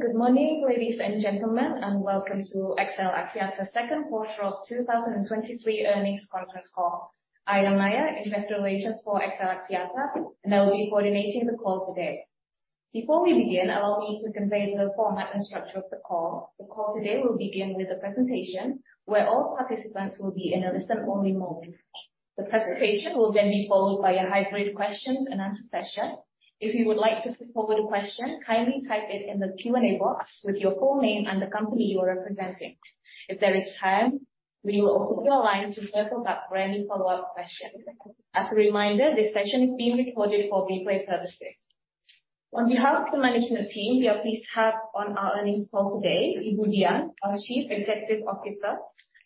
Hey, good morning, Ladies and Gentlemen, and welcome to XL Axiata Q2 of 2023 Earnings Conference call. I am Maya, investor relations for XL Axiata, and I will be coordinating the call today. Before we begin, allow me to convey the format and structure of the call. The call today will begin with a presentation where all participants will be in a listen-only mode. The presentation will be followed by a hybrid questions and answer session. If you would like to put forward a question, kindly type it in the Q&A box with your full name and the company you are representing. If there is time, we will open the line to circle back for any follow-up question. As a reminder, this session is being recorded for replay purposes. On behalf of the management team, we have on our earnings call today, Ibu Dian, our Chief Executive Officer,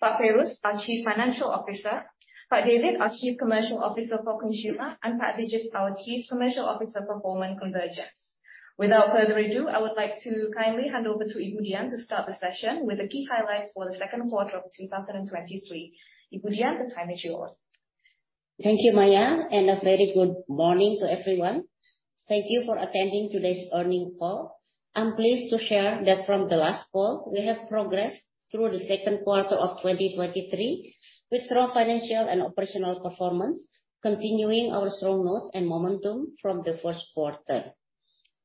Pak Feiruz, our Chief Financial Officer, Pak David, our Chief Commercial Officer for Consumer, and Pak Abhijit, our Chief Commercial Officer for Home and Convergence. Without further ado, I would like to kindly hand over to Ibu Dian to start the session with the key highlights for the Q2 of 2023. Ibu Dian, the time is yours. Thank you, Maya. A very good morning to everyone. Thank you for attending today's earnings call. I'm pleased to share that from the last call, we have progressed through the Q2 of 2023, with strong financial and operational performance, continuing our strong note and momentum from the Q1.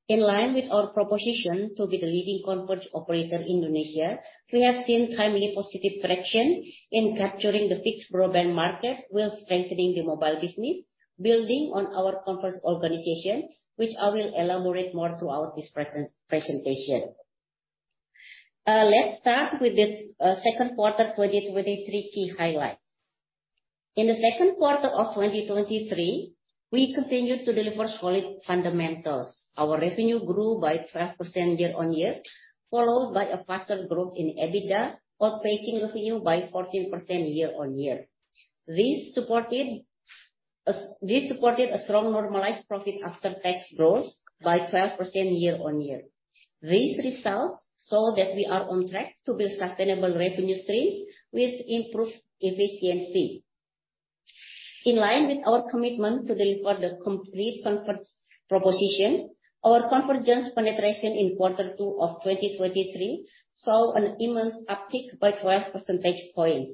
In line with our proposition to be the leading converged operator in Indonesia, we have seen timely positive traction in capturing the fixed broadband market while strengthening the mobile business, building on our converged organization, which I will elaborate more throughout this presentation. Let's start with the Q2 with the three key highlights. In the Q2 of 2023, we continued to deliver solid fundamentals. Our revenue grew by 12% year-on-year, followed by a faster growth in EBITDA, outpacing revenue by 14% year-on-year. This supported a strong Normalized Profit After Tax growth by 12% year-on-year. These results show that we are on track to build sustainable revenue streams with improved efficiency. In line with our commitment to deliver the complete converged proposition, our convergence penetration in Q2 of 2023 saw an immense uptick by 12 percentage points,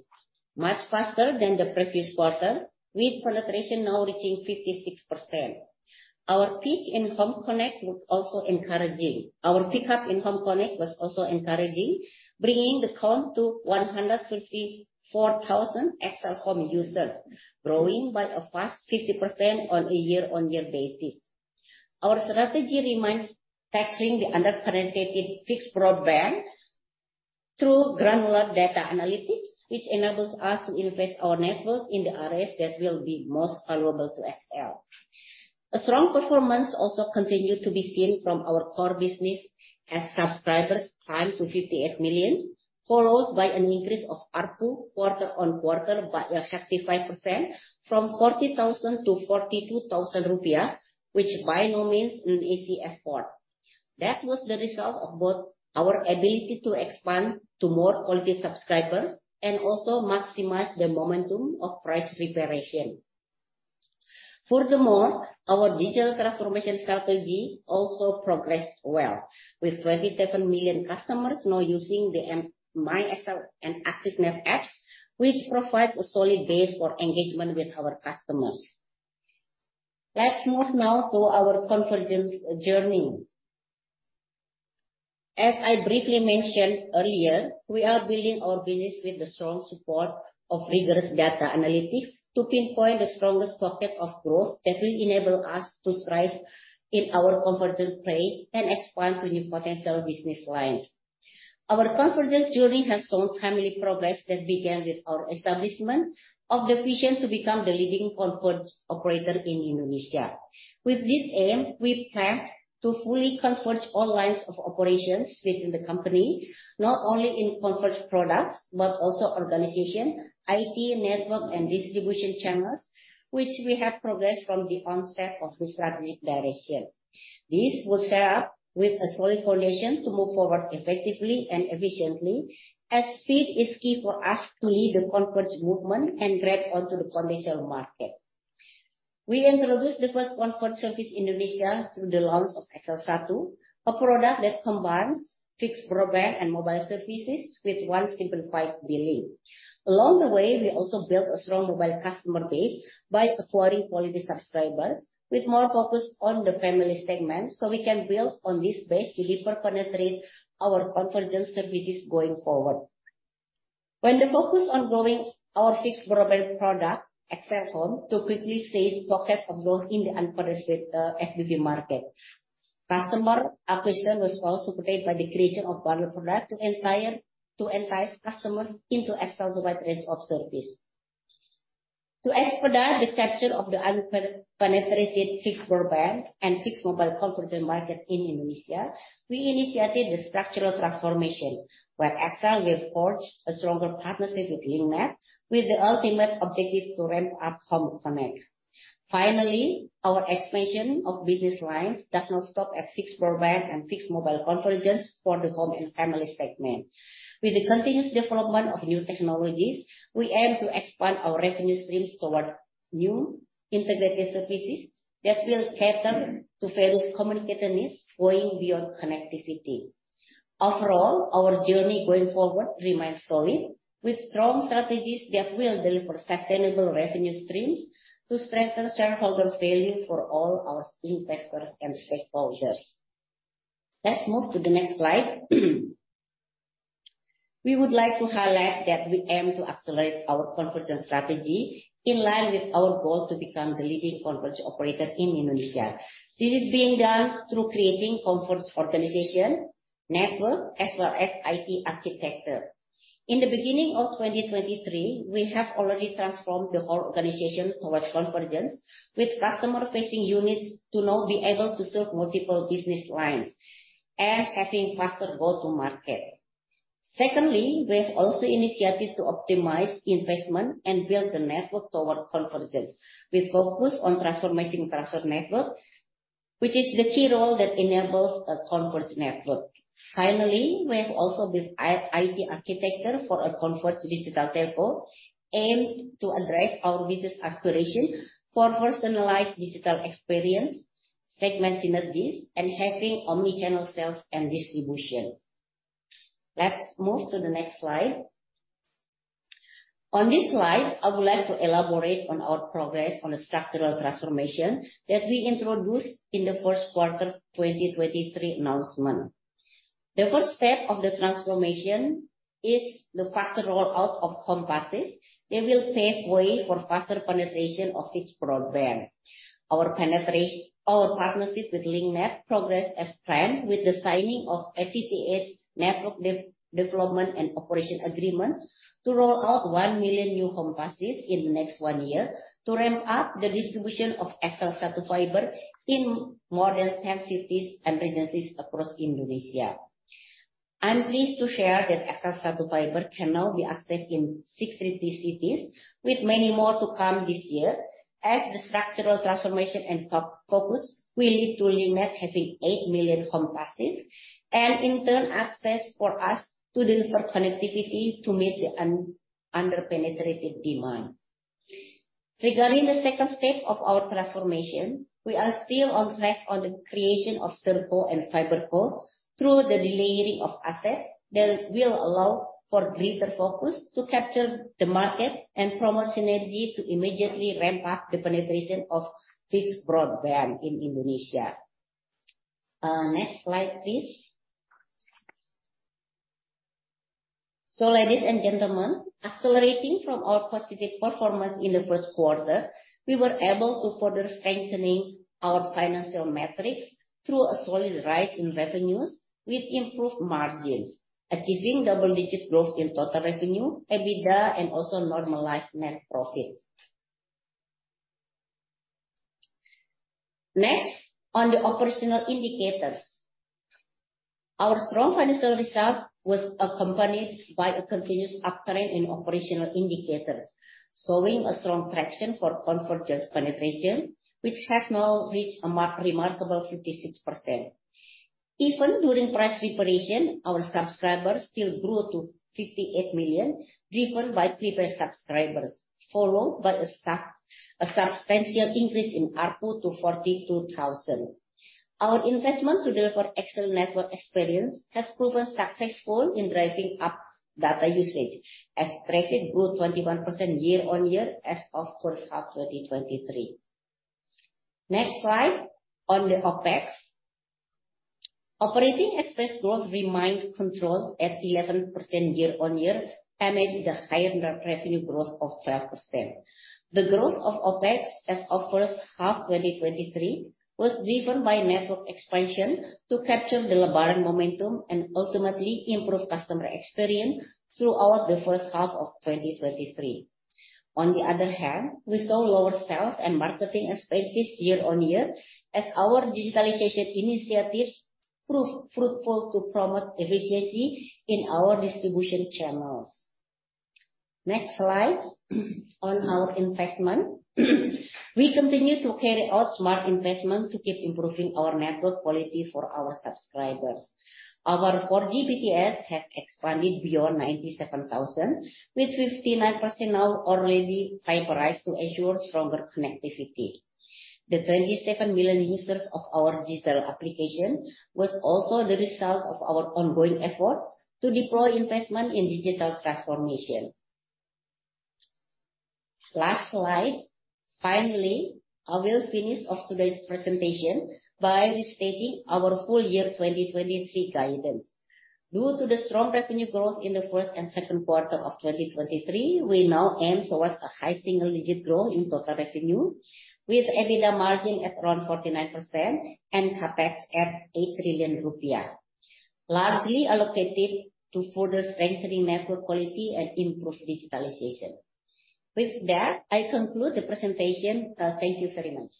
much faster than the previous quarters, with penetration now reaching 56%. Our pickup in home connect was also encouraging, bringing the count to 154,000 XL Home users, growing by a fast 50% on a year-on-year basis. Our strategy remains tackling the underpenetrated fixed broadband through granular data analytics, which enables us to invest our network in the areas that will be most valuable to XL. A strong performance also continued to be seen from our core business as subscribers climbed to 58 million, followed by an increase of ARPU quarter-on-quarter by 55% from Rp 40,000 to Rp 42,000, which by no means an easy effort. That was the result of both our ability to expand to more quality subscribers and also maximize the momentum of price reparation. Our digital transformation strategy also progressed well, with 27 million customers now using the MyXL and AXISnet apps, which provides a solid base for engagement with our customers. Let's move now to our convergence journey. As I briefly mentioned earlier, we are building our business with the strong support of rigorous data analytics to pinpoint the strongest pocket of growth that will enable us to strive in our convergence play and expand to new potential business lines. Our convergence journey has shown timely progress that began with our establishment of the vision to become the leading converged operator in Indonesia. With this aim, we plan to fully converge all lines of operations within the company, not only in converged products, but also organization, IT, network, and distribution channels, which we have progressed from the onset of the strategic direction. This will set up with a solid foundation to move forward effectively and efficiently, as speed is key for us to lead the converged movement and grab onto the potential market. We introduced the first converged service in Indonesia through the launch of XL SATU, a product that combines fixed broadband and mobile services with one simplified billing. Along the way, we also built a strong mobile customer base by acquiring quality subscribers with more focus on the family segment, so we can build on this base to further penetrate our convergence services going forward. When the focus on growing our fixed broadband product, XL Home, to quickly seize pockets of growth in the unpenetrated FBB market, customer acquisition was also supported by the creation of bundled product to entice customers into XL's wide range of service. To expedite the capture of the penetrated fixed broadband and Fixed Mobile Convergence market in Indonesia, we initiated the structural transformation, where XL will forge a stronger partnership with Indomaret, with the ultimate objective to ramp up home connect. Finally, our expansion of business lines does not stop at fixed broadband and Fixed Mobile Convergence for the home and family segment. With the continuous development of new technologies, we aim to expand our revenue streams toward new integrated services that will cater to various community needs going beyond connectivity. Overall, our journey going forward remains solid, with strong strategies that will deliver sustainable revenue streams to strengthen shareholder value for all our investors and stakeholders. Let's move to the next slide. We would like to highlight that we aim to accelerate our convergence strategy in line with our goal to become the leading convergence operator in Indonesia. This is being done through creating converged organization, network, as well as IT architecture. In the beginning of 2023, we have already transformed the whole organization towards convergence, with customer-facing units to now be able to serve multiple business lines and having faster go-to-market. Secondly, we have also initiated to optimize investment and build the network toward convergence, with focus on transforming transport network, which is the key role that enables a converged network. Finally, we have also built IT architecture for a converged Digital Telco, aimed to address our business aspiration for personalized digital experience, segment synergies, and having omni-channel sales and distribution. Let's move to the next slide. On this slide, I would like to elaborate on our progress on the structural transformation that we introduced in the Q1 2023 announcement. The first step of the transformation is the faster rollout of homes passed. They will pave way for faster penetration of fixed broadband. Our partnership with Link Net progressed as planned, with the signing of a FTTH Network Development and Operation Agreement to roll out one million new homes passed in the next 1 year, to ramp up the distribution of XL SATU Fiber in more than 10 cities and agencies across Indonesia. I'm pleased to share that XL SATU Fiber can now be accessed in 60 cities, with many more to come this year, as the structural transformation and focus will lead to Link Net having 8 million homes passed, and in turn, access for us to deliver connectivity to meet the under-penetrated demand. Regarding the second step of our transformation, we are still on track on the creation of ServeCo and FiberCo through the delayering of assets that will allow for greater focus to capture the market and promote synergy to immediately ramp up the penetration of fixed broadband in Indonesia. Next slide, please. Ladies and gentlemen, accelerating from our positive performance in the Q1, we were able to further strengthening our financial metrics through a solid rise in revenues with improved margins, achieving double-digit growth in total revenue, EBITDA, and also normalized net profit. Next, on the operational indicators. Our strong financial result was accompanied by a continuous uptrend in operational indicators, showing a strong traction for convergence penetration, which has now reached a remarkable 56%. Even during price reparation, our subscribers still grew to 58 million, driven by prepaid subscribers, followed by a substantial increase in ARPU to Rp 42,000. Our investment to deliver excellent network experience has proven successful in driving up data usage, as traffic grew 21% year-on-year as of 1H 2023. Next slide on the OpEx. Operating expense growth remained controlled at 11% year-on-year, amid the higher revenue growth of 12%. The growth of OpEx as of 1H 2023 was driven by network expansion to capture the Lebaran momentum and ultimately improve customer experience throughout 1H 2023. On the other hand, we saw lower sales and marketing expenses year-on-year, as our digitalization initiatives proved fruitful to promote efficiency in our distribution channels. Next slide, on our investment. We continue to carry out smart investment to keep improving our network quality for our subscribers. Our 4G BTS has expanded beyond 97,000, with 59% now already fiberized to ensure stronger connectivity. The 27 million users of our digital application was also the result of our ongoing efforts to deploy investment in digital transformation. Last slide. Finally, I will finish off today's presentation by restating our full year 2023 guidance. Due to the strong revenue growth in the first and Q2 of 2023, we now aim towards a high single-digit growth in total revenue, with EBITDA margin at around 49% and CapEx at 8 trillion rupiah, largely allocated to further strengthening network quality and improve digitalization. Thank you very much.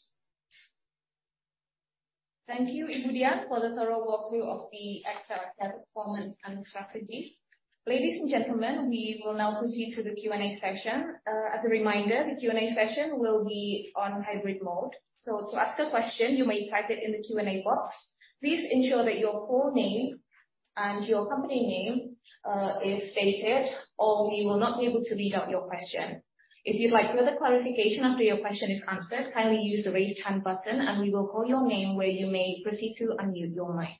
Thank you, Ibu Dian, for the thorough walkthrough of the XL Axiata performance and strategy. Ladies and gentlemen, we will now proceed to the Q&A session. As a reminder, the Q&A session will be on hybrid mode. To ask a question, you may type it in the Q&A box. Please ensure that your full name and your company name is stated, or we will not be able to read out your question. If you'd like further clarification after your question is answered, kindly use the Raise Hand button, and we will call your name, where you may proceed to unmute your mic.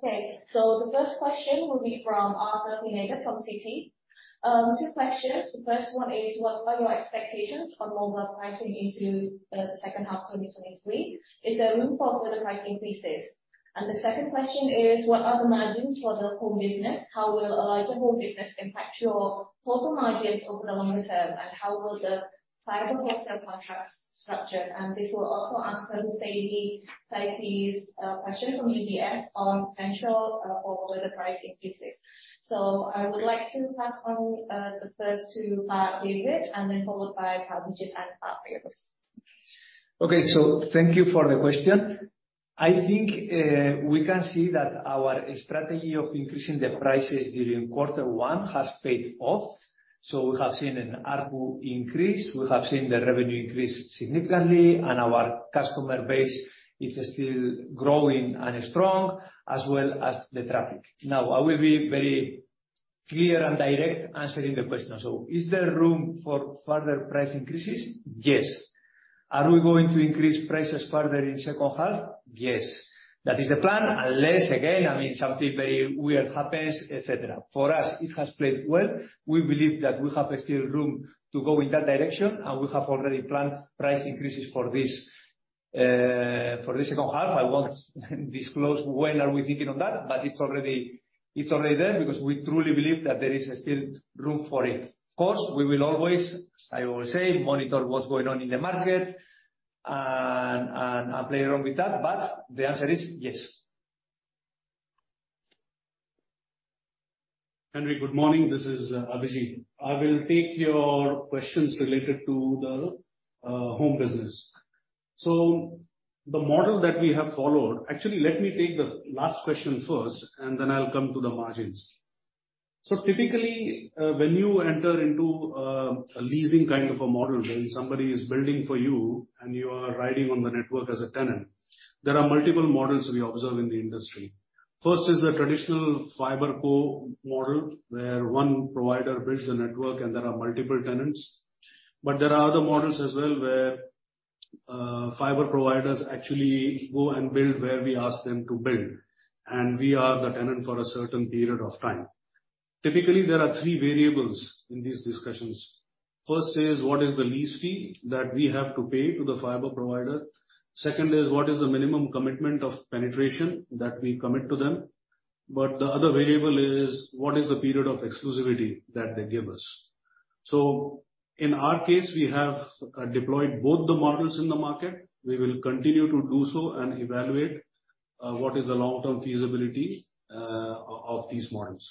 The first question will be from Arthur Pineda from Citi. Two questions. The first one is, what are your expectations for mobile pricing into the second half 2023? Is there room for further price increases? The second question is, what are the margins for the home business? How will a larger home business impact your total margins over the long term, and how will the fiber wholesale contract structured? This will also answer the same, same piece question from UBS on potential for further price increases. I would like to pass on the first to David, and then followed by Abhijit and Feiruz. Okay. Thank you for the question. I think we can see that our strategy of increasing the prices during quarter one has paid off. We have seen an ARPU increase, we have seen the revenue increase significantly, and our customer base is still growing and is strong, as well as the traffic. Now, I will be very clear and direct answering the question. Is there room for further price increases? Yes. Are we going to increase prices further in second half? Yes. That is the plan. Unless, again, I mean, something very weird happens, et cetera. For us, it has played well. We believe that we have a still room to go in that direction, and we have already planned price increases for this for the second half. I won't disclose when are we thinking on that, but it's already, it's already there, because we truly believe that there is still room for it. Of course, we will always, I will say, monitor what's going on in the market, and, and, and play around with that, but the answer is yes. Henry, good morning, this is Abhijit. I will take your questions related to the home business. The model that we have followed... Actually, let me take the last question first, and then I'll come to the margins. Typically, when you enter into a leasing kind of a model, when somebody is building for you and you are riding on the network as a tenant, there are multiple models we observe in the industry. First is the traditional fiber co-model, where one provider builds the network and there are multiple tenants. There are other models as well, where fiber providers actually go and build where we ask them to build, and we are the tenant for a certain period of time. Typically, there are three variables in these discussions. First is, what is the lease fee that we have to pay to the fiber provider? Second is, what is the minimum commitment of penetration that we commit to them? The other variable is, what is the period of exclusivity that they give us? In our case, we have deployed both the models in the market. We will continue to do so and evaluate what is the long-term feasibility of these models.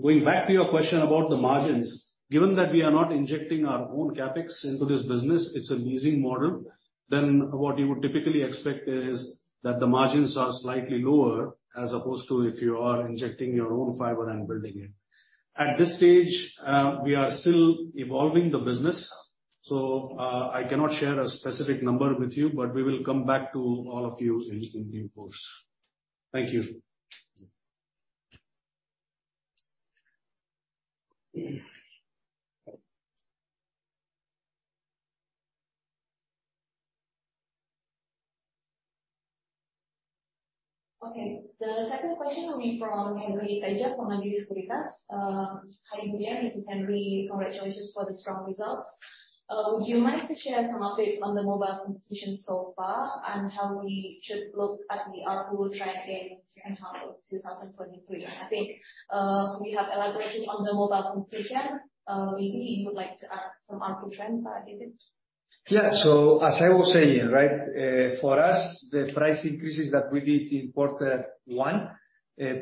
Going back to your question about the margins, given that we are not injecting our own CapEx into this business, it's a leasing model, then what you would typically expect is that the margins are slightly lower, as opposed to if you are injecting your own fiber and building it. At this stage, we are still evolving the business, so, I cannot share a specific number with you, but we will come back to all of you in, in due course. Thank you. Okay, the second question will be from Henry Tedja from KGI Sekuritas Indonesia. Hi, Dian, this is Henry. Congratulations for the strong results. Would you mind to share some updates on the mobile competition so far, and how we should look at the ARPU trend in second half of 2023? I think, we have elaborated on the mobile competition. Maybe you would like to add some ARPU trends, David? Yeah. As I was saying, right, for us, the price increases that we did in quarter one,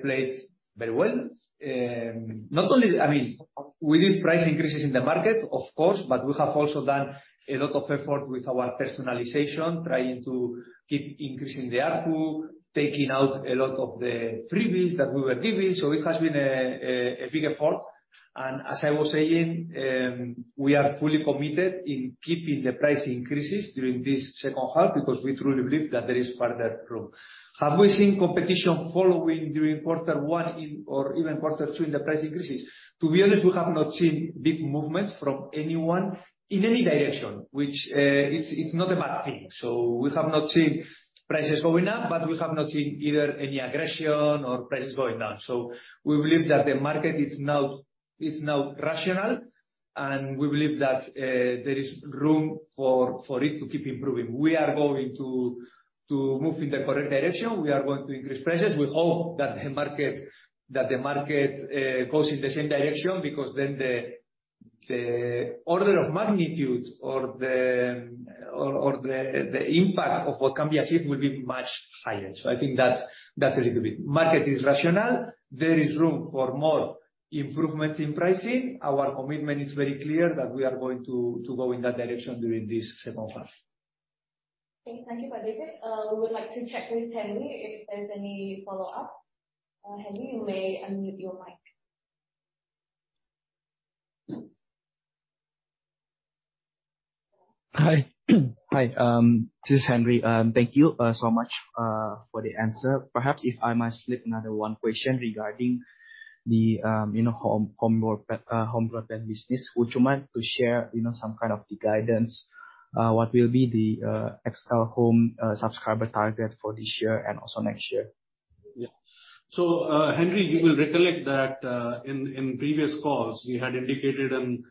played very well. I mean, we did price increases in the market, of course, but we have also done a lot of effort with our personalization, trying to keep increasing the ARPU, taking out a lot of the freebies that we were giving. It has been a, a, a big effort. As I was saying, we are fully committed in keeping the price increases during this second half, because we truly believe that there is further room. Have we seen competition following during quarter one, in, or even quarter two, in the price increases? To be honest, we have not seen big movements from anyone in any direction, which is not a bad thing. We have not seen prices going up, but we have not seen either any aggression or prices going down. We believe that the market is now, is now rational, and we believe that there is room for, for it to keep improving. We are going to, to move in the correct direction. We are going to increase prices. We hope that the market, that the market goes in the same direction, because then the order of magnitude or the impact of what can be achieved will be much higher. I think that's, that's a little bit. Market is rational. There is room for more improvements in pricing. Our commitment is very clear that we are going to, to go in that direction during this second half. Thank, thank you, David. We would like to check with Henry if there's any follow-up. Henry, you may unmute your mic. Hi. Hi, this is Henry. Thank you so much for the answer. Perhaps if I might slip another one question regarding the, you know, home broadband business. Would you mind to share, you know, some kind of the guidance, what will be the XL Home subscriber target for this year and also next year? Henry, you will recollect that in previous calls, we had indicated an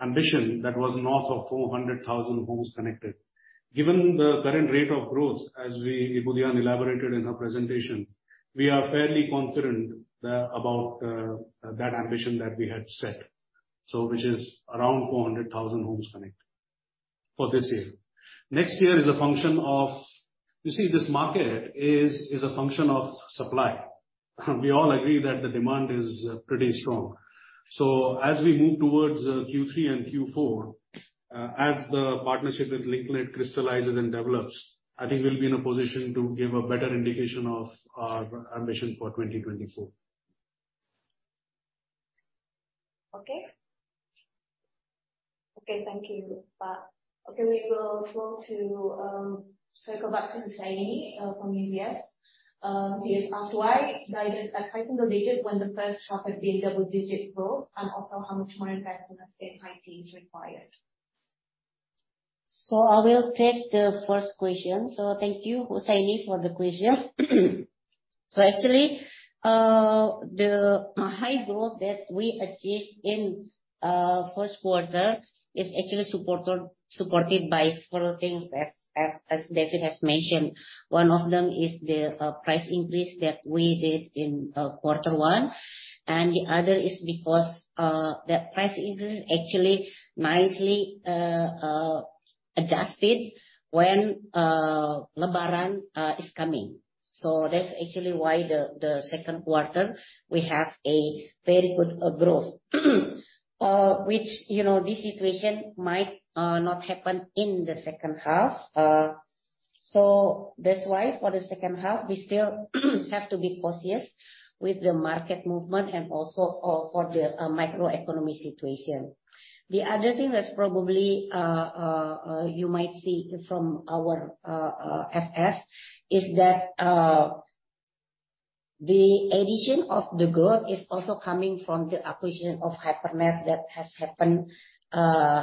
ambition that was north of 400,000 homes connected. Given the current rate of growth, as Ibu Dian elaborated in her presentation, we are fairly confident about that ambition that we had set. Which is around 400,000 homes connected for this year. Next year is a function of... You see, this market is a function of supply. We all agree that the demand is pretty strong. As we move towards Q3 and Q4, as the partnership with Link Net crystallizes and develops, I think we'll be in a position to give a better indication of our ambition for 2024. Okay. Okay, thank you, Pa. We will move to, circle back to Hussaini, from UBS.He has asked why guided a price in the mid when the first half had been double digit growth, and also how much more investment in IT is required? I will take the first question. Thank you, Hussaini, for the question. Actually, the high growth that we achieved in Q1 is actually supported by four things, as David has mentioned. One of them is the price increase that we did in quarter one, and the other is because that price increase is actually nicely adjusted when Lebaran is coming. That's actually why the Q2, we have a very good growth. Which, you know, this situation might not happen in the second half. That's why for the second half, we still have to be cautious with the market movement and also for the microeconomy situation. The other thing that's probably you might see from our FF, is that the addition of the growth is also coming from the acquisition of Hypernet that has happened,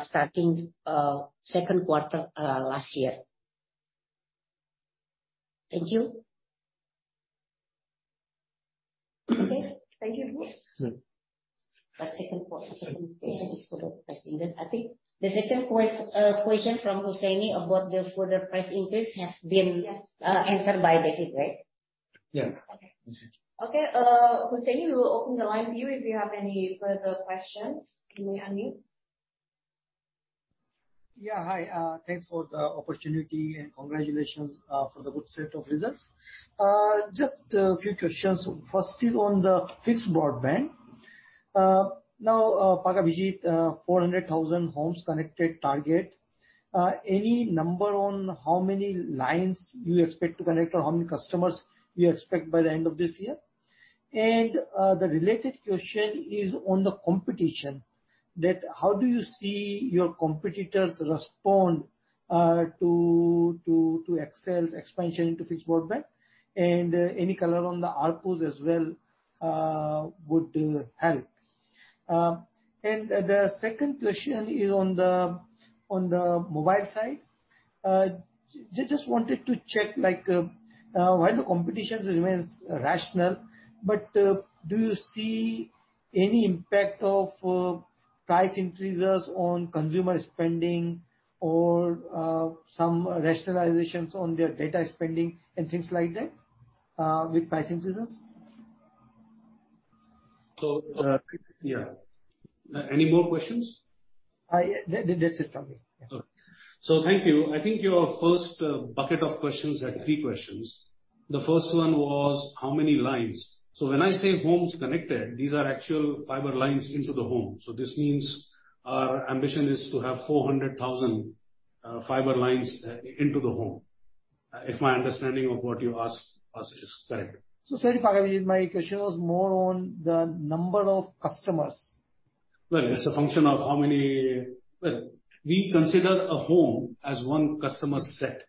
starting Q2 last year. Thank you. Okay. Thank you. The second question is for the price increase. I think the second question from Hussaini about the further price increase has been. Yes. answered by David, right? Yes. Okay. Okay, Hussaini, we will open the line to you if you have any further questions. You may unmute. Yeah, hi. Thanks for the opportunity, and congratulations, for the good set of results. Just a few questions. Firstly, on the fixed broadband. Now, Pak Abhijit, 400,000 homes connected target, any number on how many lines you expect to connect or how many customers you expect by the end of this year? The related question is on the competition, that how do you see your competitors respond, to, to, to XL's expansion into fixed broadband? Any color on the output as well, would, help. The second question is on the, on the mobile side. Just wanted to check, like, while the competition remains rational, but do you see any impact of price increases on consumer spending or some rationalizations on their data spending and things like that, with price increases? yeah. Any more questions? That's it from me. Yeah. Okay. Thank you. I think your first bucket of questions had three questions. The first one was how many lines? When I say homes connected, these are actual fiber lines into the home. This means our ambition is to have 400,000 fiber lines into the home, if my understanding of what you asked us is correct. sorry, Pak Abhijit, my question was more on the number of customers. Well, it's a function of how many. We consider a home as one customer set,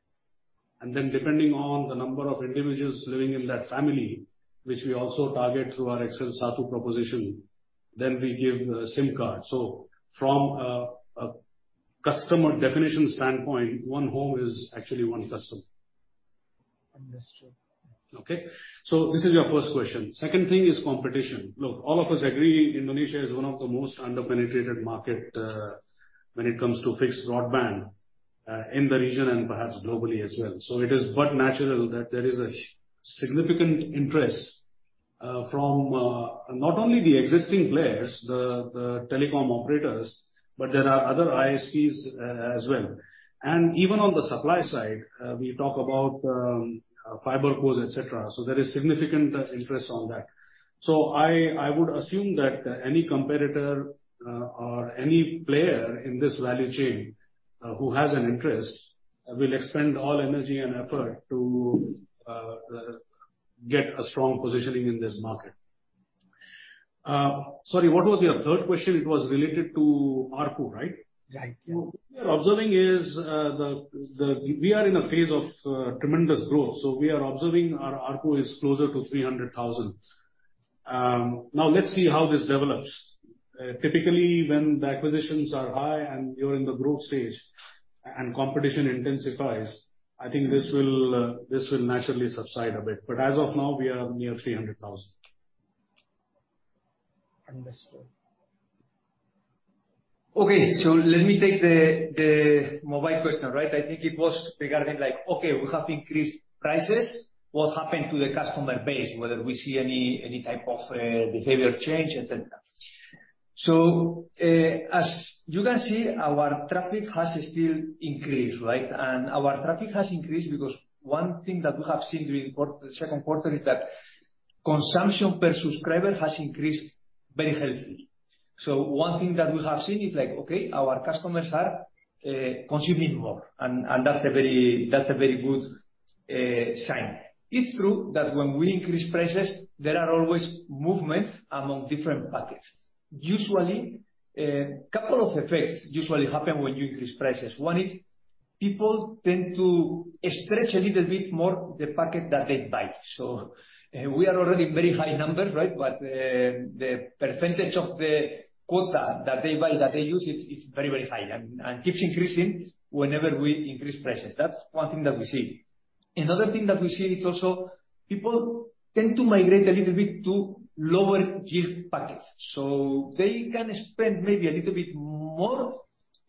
and then depending on the number of individuals living in that family, which we also target through our XL SATU proposition, then we give a SIM card. From a customer definition standpoint, one home is actually one customer. Understood. Okay? This is your first question. Second thing is competition. Look, all of us agree Indonesia is one of the most under-penetrated market when it comes to fixed broadband in the region and perhaps globally as well. It is but natural that there is a significant interest from not only the existing players, the, the telecom operators, but there are other ISPs as well. Even on the supply side, we talk about fiber costs, et cetera. There is significant interest on that. I, I would assume that any competitor or any player in this value chain who has an interest, will expend all energy and effort to get a strong positioning in this market. Sorry, what was your third question? It was related to ARPU, right? Right. What we are observing is, we are in a phase of tremendous growth, so we are observing our ARPU is closer to 300,000. Now let's see how this develops. Typically, when the acquisitions are high, and you're in the growth stage, and competition intensifies, I think this will naturally subside a bit. As of now, we are near 300,000. Understood. Let me take the, the mobile question, right? I think it was regarding like, okay, we have increased prices, what happened to the customer base? Whether we see any, any type of behavior change, et cetera. As you can see, our traffic has still increased, right? Our traffic has increased because one thing that we have seen during quarter, the Q2, is that consumption per subscriber has increased very healthy. One thing that we have seen is like, okay, our customers are consuming more, and that's a very, that's a very good sign. It's true that when we increase prices, there are always movements among different packets. Usually, couple of effects usually happen when you increase prices. One is people tend to stretch a little bit more the packet that they buy. We are already very high numbers, right? The percentage of the quota that they buy, that they use, it's, it's very, very high and, and keeps increasing whenever we increase prices. That's one thing that we see. Another thing that we see is also people tend to migrate a little bit to lower GB packets. They can spend maybe a little bit more,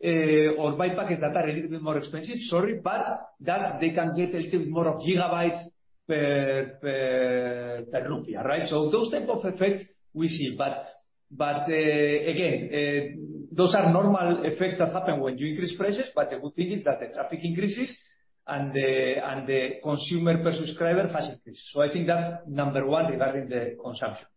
or buy packets that are a little bit more expensive, sorry, but that they can get a little more of gigabytes per, per, per rupiah, right? Those type of effects we see. Again, those are normal effects that happen when you increase prices, but the good thing is that the traffic increases, and the, and the consumer per subscriber has increased. I think that's number one, regarding the consumption.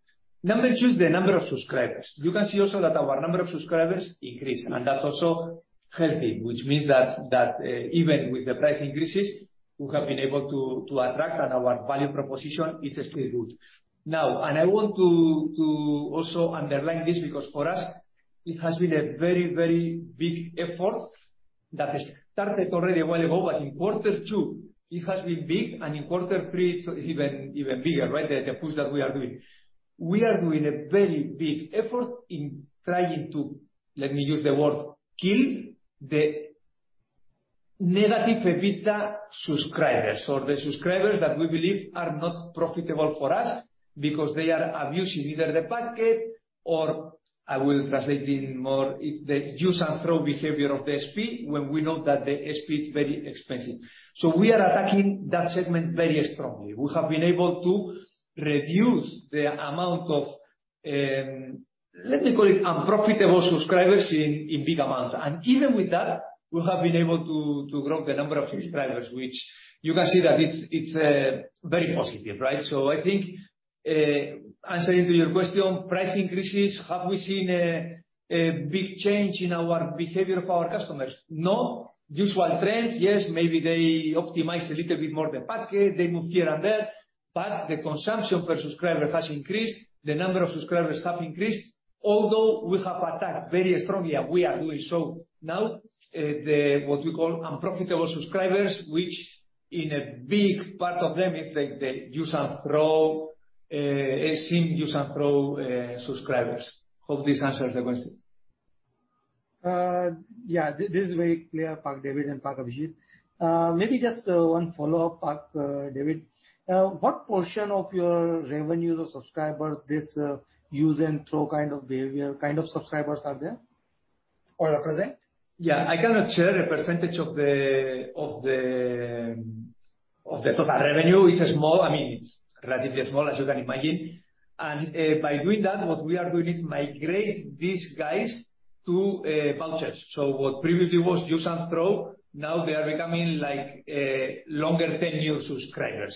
Number two is the number of subscribers. You can see also that our number of subscribers increased, and that's also healthy, which means that, that, even with the price increases, we have been able to attract, and our value proposition is still good. I want to also underline this, because for us, it has been a very, very big effort that has started already a while ago, but in quarter two it has been big, and in quarter three it's even bigger, right? The push that we are doing. We are doing a very big effort in trying to, let me use the word, kill the negative EBITDA subscribers, or the subscribers that we believe are not profitable for us because they are abusing either the packet or I will translate in more, the use and throw behavior of the SP, when we know that the SP is very expensive. We are attacking that segment very strongly. We have been able to reduce the amount of, let me call it unprofitable subscribers in, in big amounts. Even with that, we have been able to, to grow the number of subscribers, which you can see that it's, it's very positive, right? I think, answering to your question, price increases, have we seen a, a big change in our behavior of our customers? No. Usual trends, yes. Maybe they optimize a little bit more the packet, they move here and there, but the consumption per subscriber has increased. The number of subscribers have increased, although we have attacked very strongly, and we are doing so. The, what we call unprofitable subscribers, which in a big part of them, is like the use and throw, SIM use and throw, subscribers. Hope this answers the question. Yeah, this is very clear, Pak David and Pak Abhijit. Maybe just one follow-up, Pak David. What portion of your revenues or subscribers, this use and throw kind of behavior, kind of subscribers, are there or represent? Yeah, I cannot share a percentage of the, of the, of the total revenue. It's small. I mean, it's relatively small, as you can imagine. By doing that, what we are doing is migrate these guys to vouchers. What previously was use and throw, now they are becoming like longer tenure subscribers.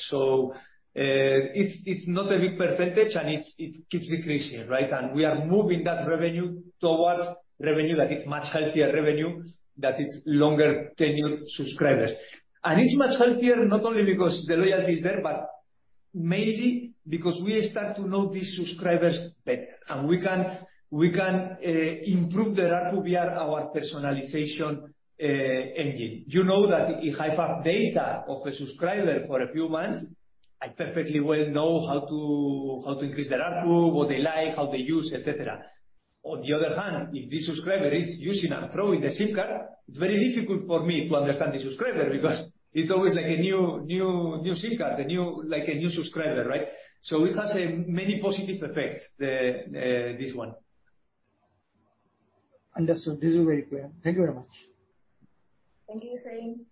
It's, it's not a big percentage, and it's, it keeps decreasing, right? We are moving that revenue towards revenue that is much healthier revenue, that is longer tenure subscribers. It's much healthier not only because the loyalty is there, but mainly because we start to know these subscribers better, and we can, we can improve the ARPU via our personalization engine. You know that if I have data of a subscriber for a few months, I perfectly well know how to, how to increase their ARPU, what they like, how they use, et cetera. On the other hand, if this subscriber is using and throwing the SIM card, it's very difficult for me to understand the subscriber because it's always like a new, new, new SIM card, a new, like a new subscriber, right? It has, many positive effects, the, this one. Understood. This is very clear. Thank you very much. Thank you, Karim....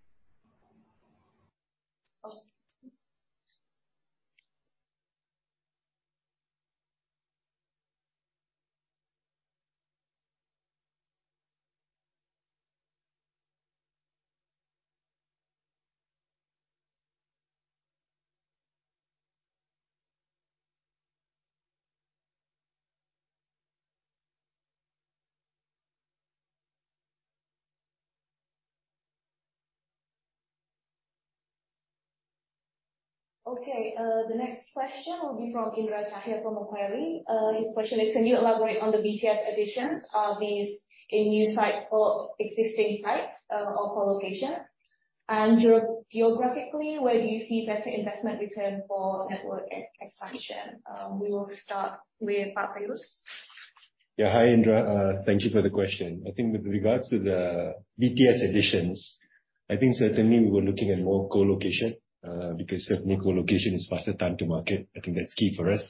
Okay, the next question will be from Indra Cahya from Macquarie. His question is: Can you elaborate on the BTS additions? Are these in new sites or existing sites, or co-location? Geographically, where do you see better investment return for network expansion? We will start with Prafullus. Yeah. Hi, Indra. Thank you for the question. I think with regards to the BTS additions, I think certainly we were looking at more co-location, because certainly co-location is faster time to market. I think that's key for us.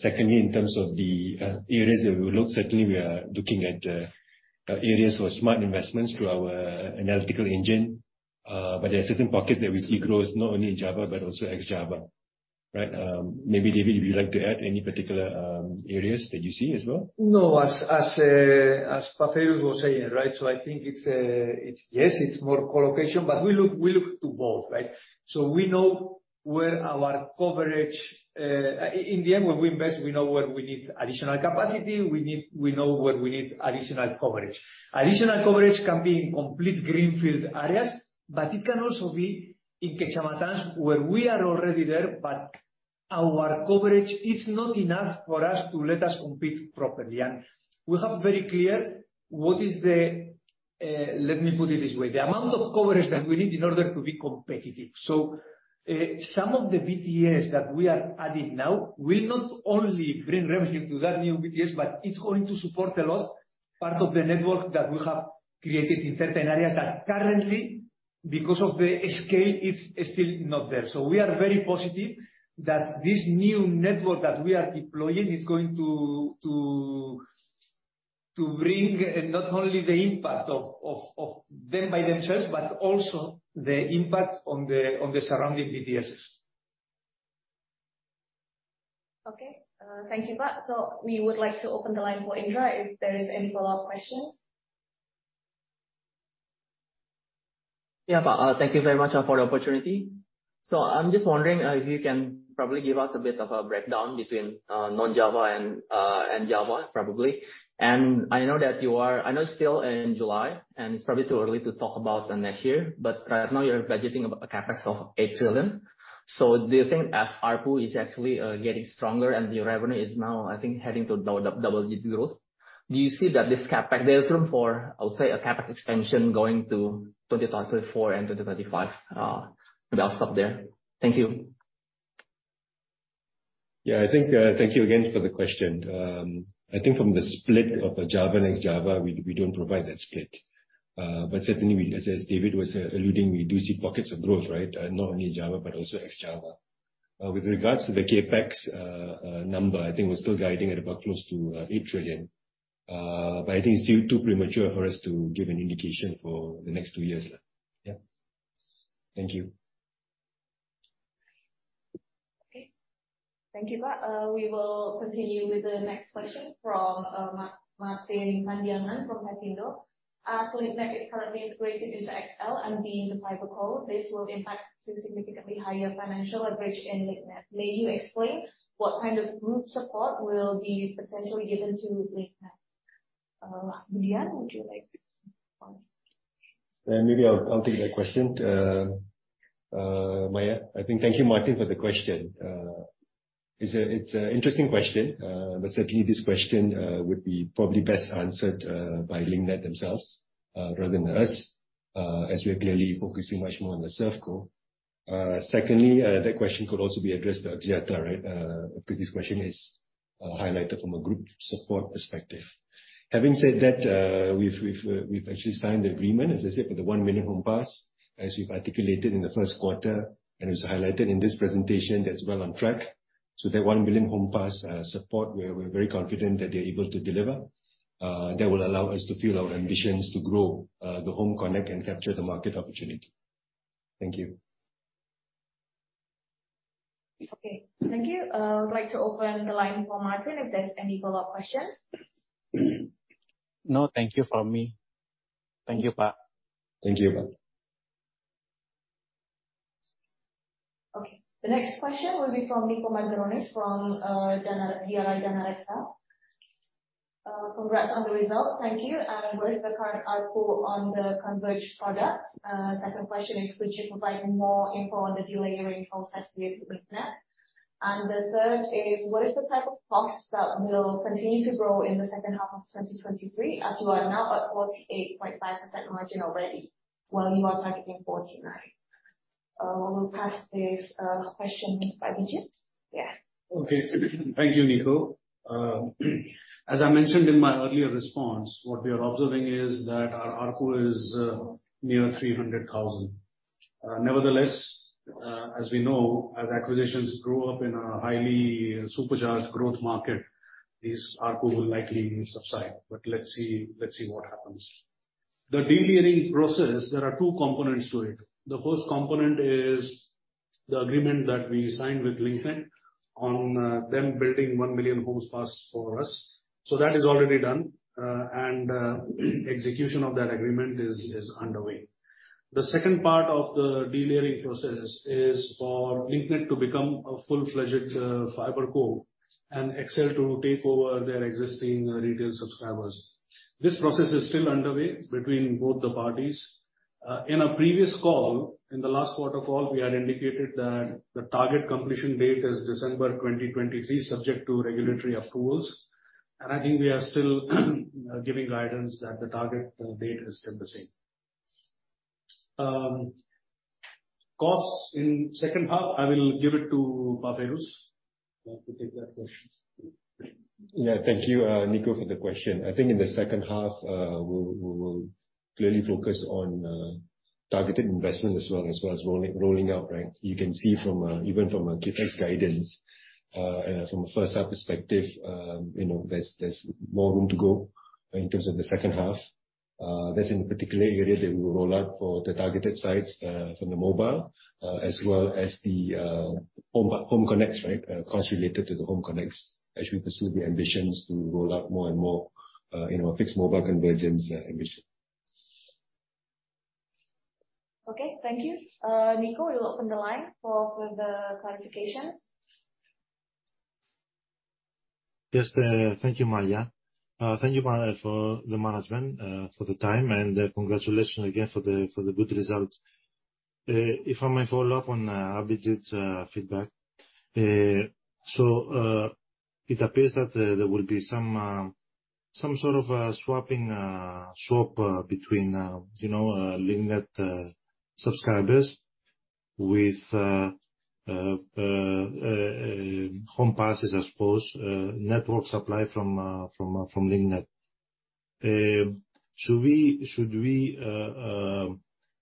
Secondly, in terms of the areas that we look, certainly we are looking at areas for smart investments through our analytical engine. But there are certain pockets that we see growth, not only in Java, but also ex-Java, right? Maybe, David, if you'd like to add any particular areas that you see as well. No. As, as, as Prafullus was saying, right, so I think it's, it's yes, it's more co-location, but we look, we look to both, right? We know where our coverage. In the end, when we invest, we know where we need additional capacity, we know where we need additional coverage. Additional coverage can be in complete greenfield areas, but it can also be in, where we are already there, but our coverage is not enough for us to let us compete properly. We have very clear what is the, let me put it this way, the amount of coverage that we need in order to be competitive. Some of the BTS that we are adding now will not only bring revenue to that new BTS, but it's going to support a lot, part of the network that we have created in certain areas that currently, because of the scale, it's still not there. We are very positive that this new network that we are deploying is going to bring not only the impact of them by themselves, but also the impact on the, on the surrounding BTSs. Okay. Thank you, Pak. We would like to open the line for Indra if there is any follow-up questions. Yeah, Pak, thank you very much for the opportunity. I'm just wondering if you can probably give us a bit of a breakdown between non-Java and Java, probably. And I know that you are... I know it's still in July, and it's probably too early to talk about the next year, but right now you're budgeting about a CapEx of 8 trillion. Do you think as ARPU is actually getting stronger and your revenue is now, I think, heading to double-digit growth, do you see that this CapEx, there is room for, I'll say, a CapEx expansion going to 2034 and 2035? Maybe I'll stop there. Thank you. Yeah, I think, thank you again for the question. I think from the split of Java and ex-Java, we, we don't provide that split. Certainly, we, as, as David was alluding, we do see pockets of growth, right? Not only Java, but also ex-Java. With regards to the CapEx number, I think we're still guiding at about close to 8 trillion. I think it's still too premature for us to give an indication for the next 2 years. Yeah. Thank you. Okay. Thank you, Pak. We will continue with the next question from Martin Madyatmadja from Ciptadana Sekuritas Asia. Link Net is currently integrated into XL, and being the fiber core, this will impact to significantly higher financial leverage in Link Net. May you explain what kind of group support will be potentially given to Link Net? Madyangan, would you like to respond? Maybe I'll, I'll take that question. Maya, I think thank you, Martin, for the question. It's a, it's an interesting question, certainly this question would be probably best answered by Link Net themselves, rather than us, as we are clearly focusing much more on the ServeCo. Secondly, that question could also be addressed to Axiata, right? Because this question is highlighted from a group support perspective. Having said that, we've, we've, we've actually signed the agreement, as I said, for the 1 million home pass, as we've articulated in the Q1, and it was highlighted in this presentation that's well on track. That 1 million home pass support, we are, we're very confident that they're able to deliver. That will allow us to fuel our ambitions to grow the home connect and capture the market opportunity. Thank you. Okay. Thank you. I'd like to open the line for Martin, if there's any follow-up questions. No, thank you from me. Thank you, Pak. Thank you, Martin. Okay. The next question will be from Nico Margaronis from Danareksa Sekuritas. Congrats on the results. Thank you. What is the current ARPU on the converged product? Second question is, could you provide more info on the delayering process with Link Net? The third is, what is the type of costs that will continue to grow in the second half of 2023, as you are now at 48.5% margin already, while you are targeting 49%? We'll pass this question to Abhijit. Yeah. Okay. Thank you, Nico. As I mentioned in my earlier response, what we are observing is that our ARPU is near 300,000. Nevertheless, as we know, as acquisitions grow up in a highly supercharged growth market, this ARPU will likely subside. Let's see, let's see what happens. The delayering process, there are two components to it. The first component is the agreement that we signed with Link Net on them building one million homes passed for us. That is already done, and execution of that agreement is underway. The second part of the delayering process is for Link Net to become a full-fledged FiberCo, and XL to take over their existing retail subscribers. This process is still underway between both the parties. In a previous call, in the last quarter call, we had indicated that the target completion date is December 2023, subject to regulatory approvals. I think we are still giving guidance that the target date is still the same. Costs in second half, I will give it to Feiruz to take that question. Yeah, thank you, Nico, for the question. I think in the second half, we, we will clearly focus on targeted investment as well, as well as rolling, rolling out, right? You can see from even from a CapEx guidance from a first half perspective, you know, there's, there's more room to go in terms of the second half. That's in the particular area that we will roll out for the targeted sites from the mobile as well as the home, home connects, right? Costs related to the home connects, as we pursue the ambitions to roll out more and more, you know, Fixed Mobile Convergence ambition. Okay, thank you. Nico, we will open the line for, for the clarification. Just thank you, Maya. Thank you for the management, for the time, congratulations again for the good results. If I may follow up on Abhijit's feedback. It appears that there will be some some sort of swapping, swap, between, you know, Link Net subscribers with homes passed, I suppose, network supply from from Link Net. Should we, should we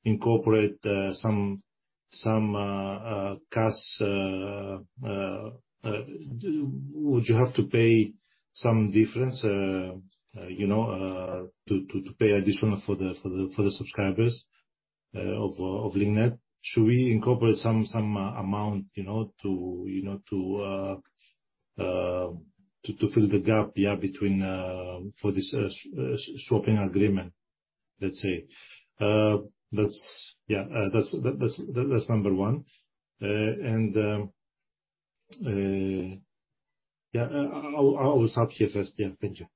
incorporate some some costs? Would you have to pay some difference, you know, to to to pay additional for the for the for the subscribers of Link Net? Should we incorporate some, some amount, you know, to, you know, to to fill the gap, yeah, between for this swapping agreement, let's say? That's, yeah, that's, that's, that's number one. Yeah, I'll, I'll stop here first. Yeah. Thank you.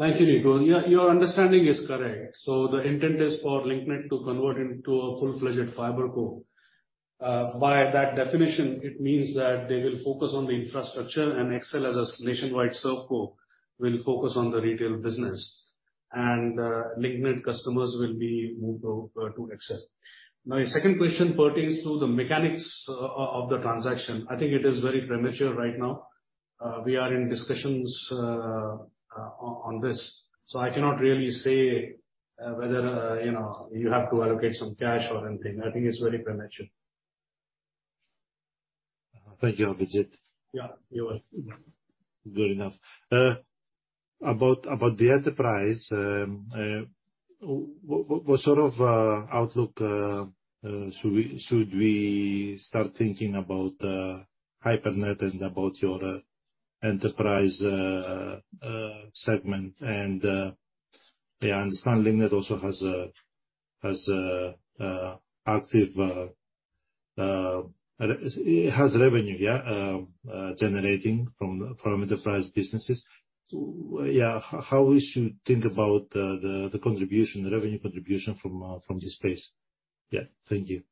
Thank you, Nico. Yeah, your understanding is correct. The intent is for LinkNet to convert into a full-fledged FiberCo. By that definition, it means that they will focus on the infrastructure, and XL, as a nationwide ServeCo, will focus on the retail business. LinkNet customers will be moved over to XL. Your second question pertains to the mechanics of the transaction. I think it is very premature right now. We are in discussions on this, I cannot really say whether, you know, you have to allocate some cash or anything. I think it's very premature. Thank you, Abhijit. Yeah, you're welcome. Good enough. About, about the enterprise, what, what sort of outlook should we, should we start thinking about HyperNet and about your enterprise segment? I understand LinkNet also has a, has a, a active, it has revenue, yeah, generating from, from enterprise businesses. Yeah, how we should think about, the, the contribution, the revenue contribution from, from this space? Yeah. Thank you.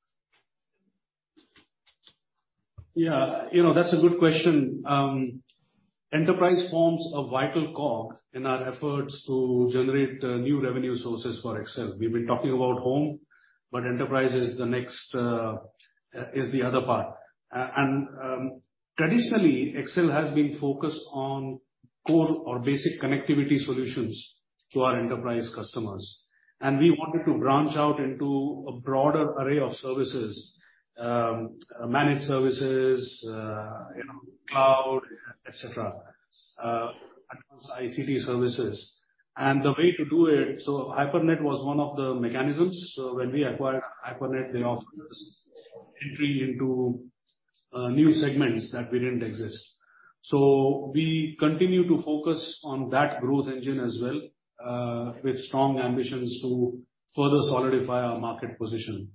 Yeah. You know, that's a good question. Enterprise forms a vital cog in our efforts to generate new revenue sources for XL. We've been talking about home, but enterprise is the next, is the other part. Traditionally, XL has been focused on core or basic connectivity solutions to our enterprise customers, and we wanted to branch out into a broader array of services, managed services, you know, cloud, et cetera, advance ICT services. The way to do it, so HyperNet was one of the mechanisms. When we acquired HyperNet, they offered us entry into new segments that we didn't exist. We continue to focus on that growth engine as well, with strong ambitions to further solidify our market position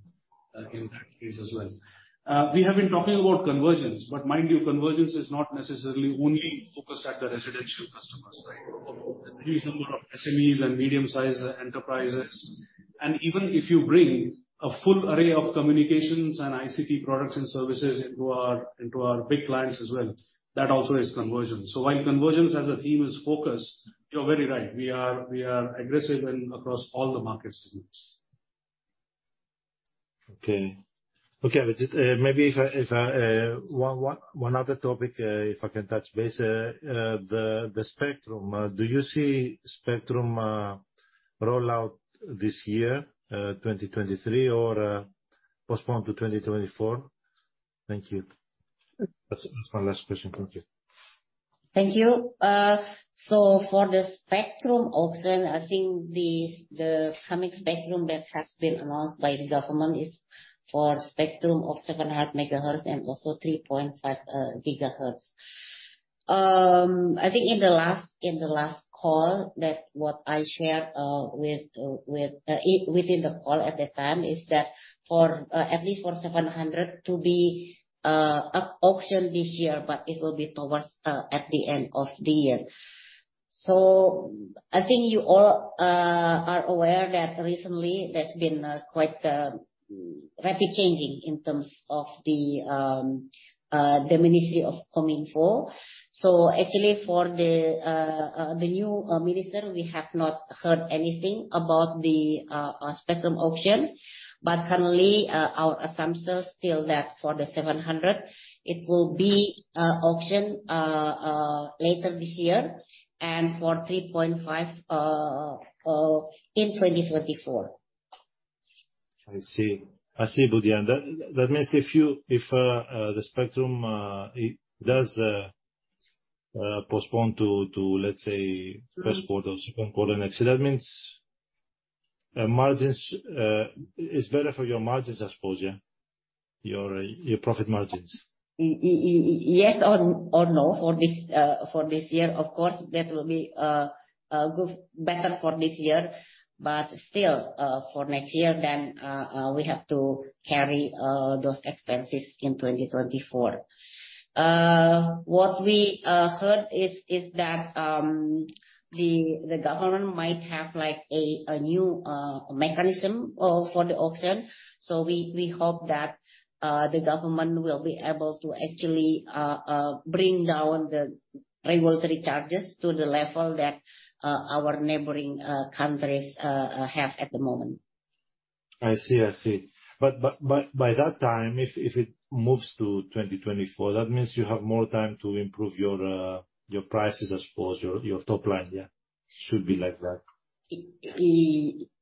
in that space as well. We have been talking about convergence. Mind you, convergence is not necessarily only focused at the residential customers, right? There's a huge number of SMEs and medium-sized enterprises. Even if you bring a full array of communications and ICT products and services into our, into our big clients as well, that also is convergence. While convergence as a theme is focused, you're very right. We are, we are aggressive in across all the market segments. Okay. Okay, Abhijit, maybe if I, if I, one other topic, if I can touch base, the, the spectrum. Do you see spectrum, roll out this year, 2023, or, postponed to 2024? Thank you. That's, that's my last question. Thank you. Thank you. For the spectrum auction, I think the, the coming spectrum that has been announced by the government is for spectrum of 700 megahertz and also 3.5 gigahertz. I think in the last, in the last call, that what I shared with, with, within the call at that time, is that for at least for 700 to be auctioned this year, but it will be towards at the end of the year. I think you all are aware that recently there's been quite rapid changing in terms of the Ministry of COMINFOL. Actually, for the new minister, we have not heard anything about the spectrum auction, but currently, our assumptions still that for the 700, it will be auctioned later this year, and for 3.5, in 2024. I see. I see, Ibu Dian. That means if if the spectrum it does postpone to, to, let's say, Q1, Q2 next year, that means margins, it's better for your margins, I suppose, yeah? Your, your profit margins. Yes or, or no, for this, for this year, of course, that will be a good- better for this year. Still, for next year, we have to carry those expenses in 2024. What we heard is, is that the government might have, like, a new mechanism for the auction. We, we hope that the government will be able to actually bring down the regulatory charges to the level that our neighboring countries have at the moment. I see. I see. By that time, if, if it moves to 2024, that means you have more time to improve your prices, I suppose, your, your top line, yeah. Should be like that.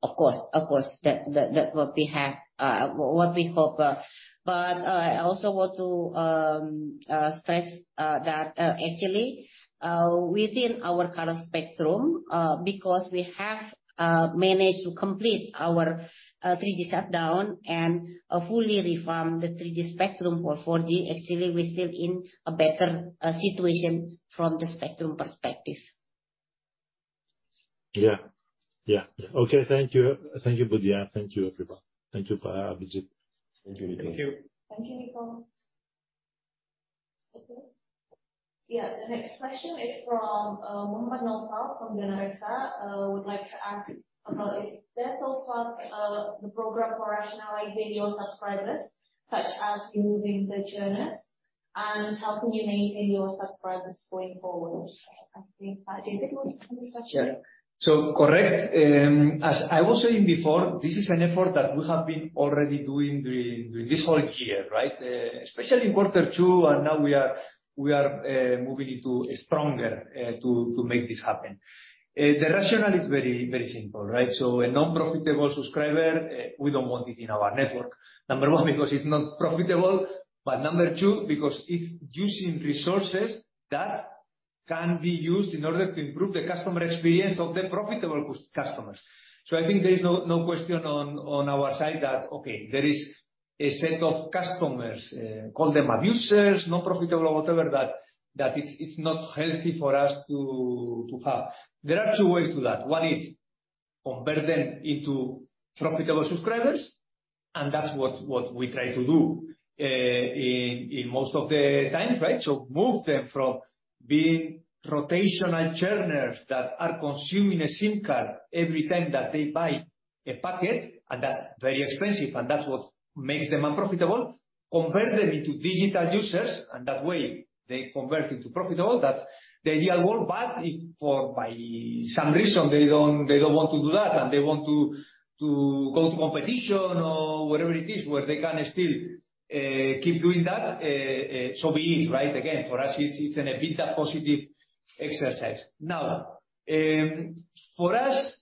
Of course, of course, that, that, that what we have, what we hope. I also want to stress that actually, within our current spectrum, because we have managed to complete our 3G shutdown and fully reform the 3G spectrum for 4G, actually, we're still in a better situation from the spectrum perspective. Yeah. Yeah. Okay. Thank you. Thank you, Ibu Dian. Thank you, everyone. Thank you for Abhijit. Thank you. Thank you. Thank you, Nico. Okay. Yeah, the next question is from Muhammad Naufal from Danareksa. Would like to ask about if there's also the program for rationalizing your subscribers, such as removing the churners, and how can you maintain your subscribers going forward? I think, is it was the question. Yeah. Correct. As I was saying before, this is an effort that we have been already doing during, during this whole year, right? Especially in Q2, now we are, we are moving into stronger to make this happen. The rationale is very, very simple, right? A non-profitable subscriber, we don't want it in our network. Number one, because it's not profitable, but number two, because it's using resources that can be used in order to improve the customer experience of the profitable customers. I think there is no, no question on, on our side that, okay, there is a set of customers, call them abusers, non-profitable or whatever, that that it's, it's not healthy for us to, to have. There are two ways to that. One is convert them into profitable subscribers. That's what, what we try to do in, in most of the times, right? Move them from being rotational churners that are consuming a SIM card every time that they buy a packet, and that's very expensive, and that's what makes them unprofitable. Convert them into digital users, and that way they convert into profitable. That's the ideal world. If for by some reason, they don't, they don't want to do that, and they want to, to go to competition or whatever it is, where they can still keep doing that, so be it, right? Again, for us, it's, it's an EBITDA positive exercise. For us,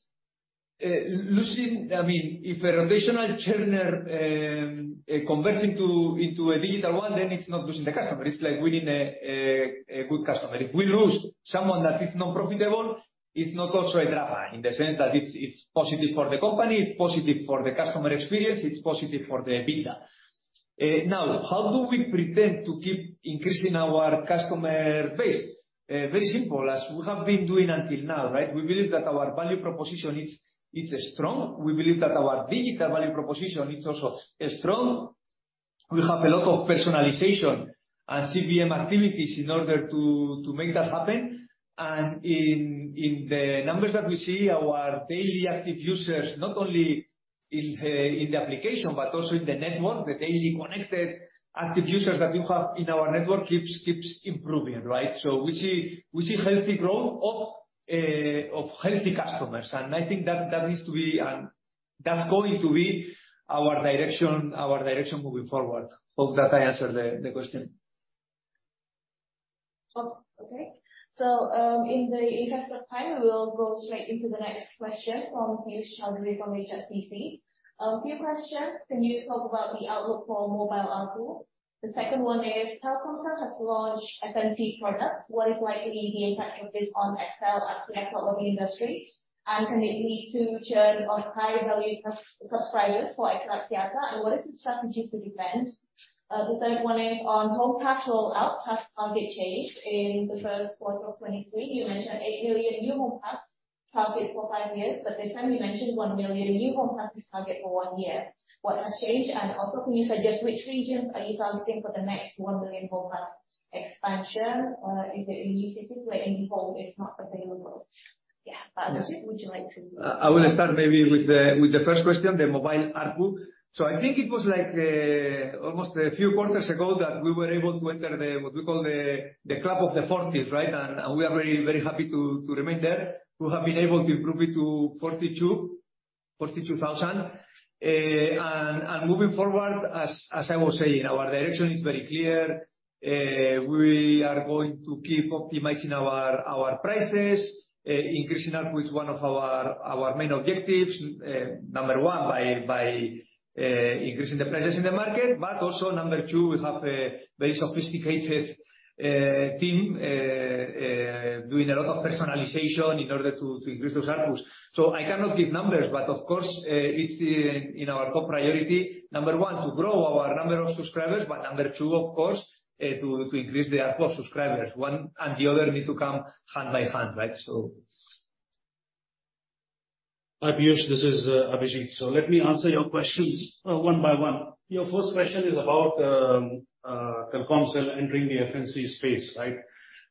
losing... I mean, if a rotational churner convert into, into a digital one, then it's not losing the customer. It's like winning a good customer. If we lose someone that is non-profitable, it's not also a drop in the sense that it's positive for the company, it's positive for the customer experience, it's positive for the EBITDA. Now, how do we pretend to keep increasing our customer base? Very simple, as we have been doing until now, right? We believe that our value proposition is strong. We believe that our digital value proposition is also strong. We have a lot of personalization and CBM activities in order to make that happen. In the numbers that we see, our daily active users, not only in the application, but also in the network, the daily connected active users that we have in our network keeps improving, right? We see, we see healthy growth of, of healthy customers, and I think that, that is to be, that's going to be our direction, our direction moving forward. Hope that I answered the, the question. Oh, okay. In the interest of time, we will go straight into the next question from Piyush Choudhary from HSBC. A few questions: Can you talk about the outlook for mobile ARPU? The second one is, Telkomsel has launched a fancy product. What is likely the impact of this on XL Axiata mobile industry? Can it lead to churn of high-value subscribers for XL Axiata, and what is the strategy to defend? The third one is on home pass rollout. Has target changed in the Q1 of 2023? You mentioned 8 million new home pass target for five years, but this time you mentioned 1 million new home pass is target for one year. What has changed? Also, can you suggest which regions are you targeting for the next 1 million home pass expansion? Is it in new cities where IndiHome is not available? Yeah, Pak, would you like to- I will start maybe with the, with the first question, the mobile ARPU. I think it was like, almost a few quarters ago that we were able to enter the, what we call the, the club of the Rp 40,000, right? We are very, very happy to, to remain there. We have been able to improve it to Rp 42,000. Moving forward, as, as I was saying, our direction is very clear. We are going to keep optimizing our, our prices, increasing ARPU is one of our, our main objectives. Number one, by, by increasing the prices in the market. Also, number two, we have a very sophisticated team, doing a lot of personalization in order to, to increase those ARPUs. I cannot give numbers, but of course, it's in our top priority, number one, to grow our number of subscribers. Number two, of course, to increase the ARPU subscribers. One and the other need to come hand by hand, right? Hi, Piyush, this is Abhijit. Let me answer your questions, one by one. Your first question is about Telkomsel entering the FNC space, right?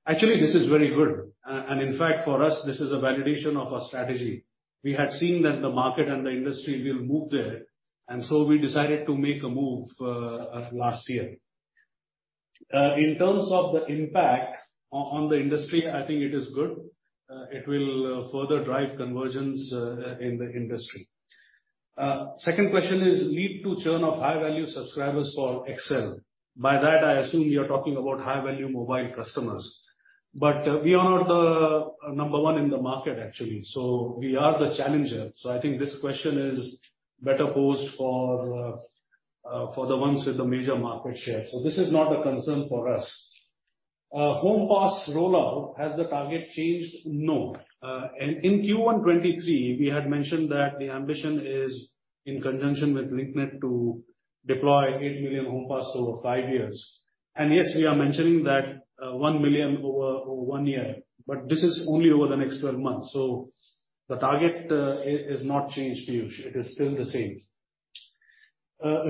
Actually, this is very good. In fact, for us, this is a validation of our strategy. We had seen that the market and the industry will move there, we decided to make a move last year. In terms of the impact on the industry, I think it is good. It will further drive conversions in the industry. Second question is lead to churn of high-value subscribers for XL. By that, I assume you're talking about high-value mobile customers. We are not the number one in the market, actually, we are the challenger. I think this question is better posed for, for the ones with the major market share. Home pass rollout, has the target changed? No. In Q1 2023, we had mentioned that the ambition is, in conjunction with Link Net, to deploy eight million homes passed over five years. Yes, we are mentioning that, one million over, over one year, but this is only over the next 12 months. The target is not changed, Piyush. It is still the same.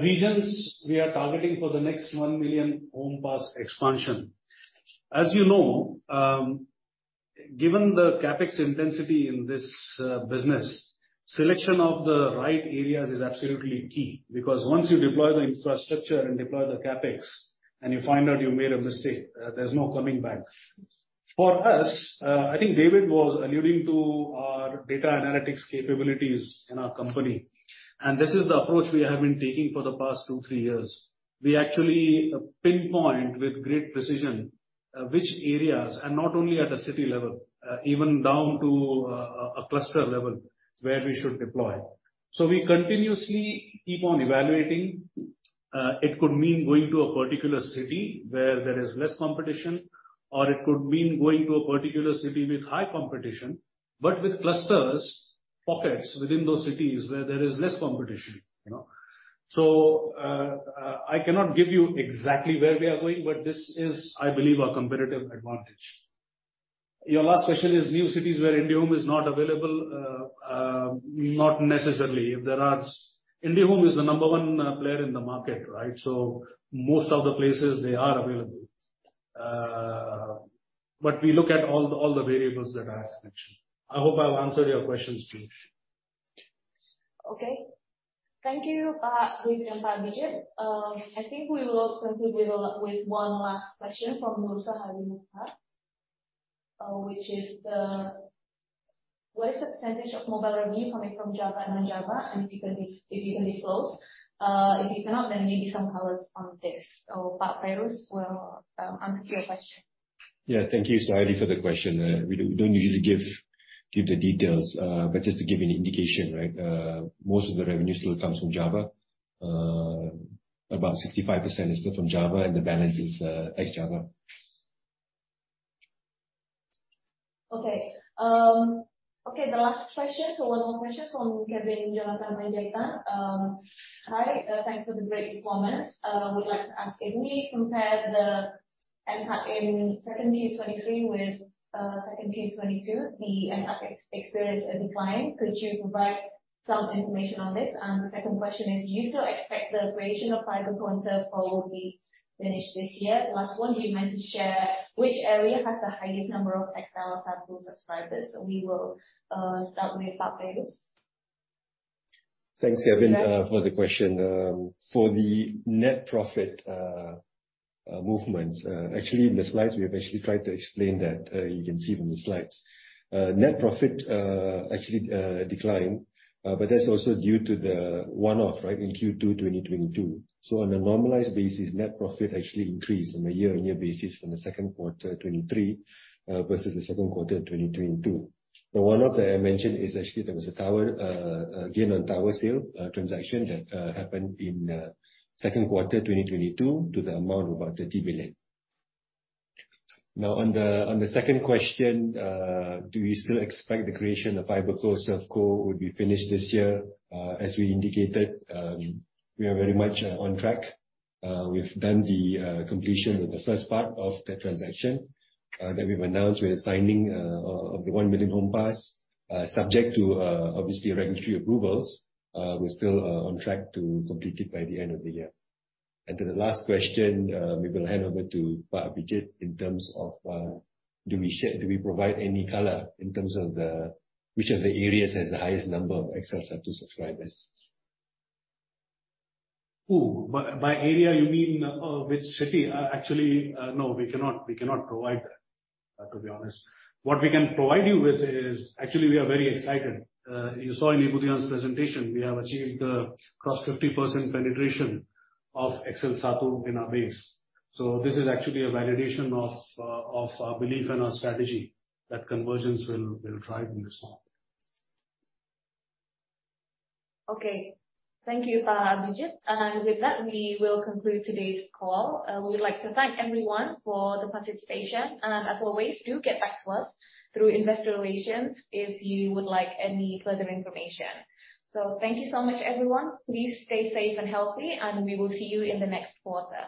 Regions we are targeting for the next one million homes passed expansion. As you know, given the CapEx intensity in this business, selection of the right areas is absolutely key. Because once you deploy the infrastructure and deploy the Capex, and you find out you made a mistake, there's no coming back. For us, I think David was alluding to our data analytics capabilities in our company, and this is the approach we have been taking for the past two, 3thre years. We actually pinpoint with great precision, which areas, and not only at a city level, even down to, a, a cluster level, where we should deploy. We continuously keep on evaluating. It could mean going to a particular city where there is less competition, or it could mean going to a particular city with high competition, but with clusters, pockets within those cities where there is less competition, you know? I cannot give you exactly where we are going, but this is, I believe, a competitive advantage. Your last question is new cities where IndiHome is not available. Not necessarily. There are... IndiHome is the number 1one player in the market, right? Most of the places they are available. We look at all the, all the variables that I have mentioned. I hope I've answered your questions, Piyush. Okay. Thank you, Pak Abhijit. I think we will conclude with, with one last question from Nursa Hari Nuka. Which is: What is the % of mobile revenue coming from Java and non-Java, and if you can dis- if you can disclose. If you cannot, then maybe some colors on this. Pak Fairuz will answer your question. Yeah, thank you, Saidi, for the question. We don't usually give the details. Just to give you an indication, right, most of the revenue still comes from Java. About 65% is still from Java. The balance is ex-Java. Okay. Okay, the last question, one more question from Kevin Jonathan Madjetta. Hi, thanks for the great performance. Would like to ask, if we compare the NPAT in second Q23 with, second Q22, the NPAT experienced a decline. Could you provide some information on this? The second question is, do you still expect the creation of FiberCo, ServeCo will be finished this year? Last one, do you mind to share which area has the highest number of XL SATU subscribers? We will start with Pak Feiruz. Thanks, Kevin, for the question. For the net profit movements, actually, in the slides, we have actually tried to explain that. You can see from the slides. Net profit actually declined, but that's also due to the one-off, right, in Q2 2022. On a normalized basis, net profit actually increased on a year-on-year basis from the Q2 2023 versus the Q2 2022. The one-off that I mentioned is actually there was a tower, a gain on tower sale transaction that happened in Q2 2022 to the amount of about 30 billion. Now, on the, on the second question, do we still expect the creation of FiberCo, ServeCo would be finished this year? As we indicated, we are very much on track. We've done the completion of the first part of the transaction that we've announced with the signing of the 1 million homes passed, subject to obviously, regulatory approvals. We're still on track to complete it by the end of the year. To the last question, maybe I'll hand over to Pak Abhijit in terms of do we provide any color in terms of which of the areas has the highest number of XL SATU subscribers? Ooh, by, by area, you mean, which city? Actually, no, we cannot, we cannot provide that, to be honest. What we can provide you with is. Actually, we are very excited. You saw in Ibu Dian's presentation, we have achieved, cross 50% penetration of XL SATU in our base. This is actually a validation of our belief and our strategy, that convergence will drive in this one. Okay. Thank you, Pak Abhijit. With that, we will conclude today's call. We would like to thank everyone for the participation. As always, do get back to us through investor relations if you would like any further information. Thank you so much, everyone. Please stay safe and healthy, and we will see you in the next quarter.